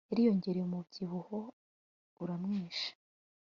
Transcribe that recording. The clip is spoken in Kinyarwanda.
yariyongereye umubyibuho uramwishe